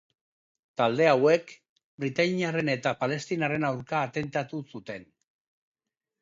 Talde hauek, britainiarren eta palestinarren aurka atentatu zuten.